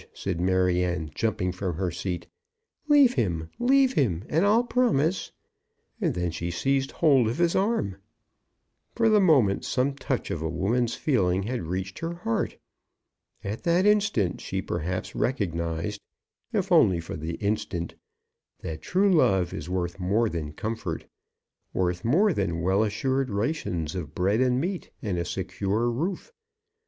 said Maryanne, jumping from her seat. "Leave him, leave him, and I'll promise " And then she seized hold of his arm. For the moment some touch of a woman's feeling had reached her heart. At that instant she perhaps recognized, if only for the instant, that true love is worth more than comfort, worth more than well assured rations of bread and meat, and a secure roof.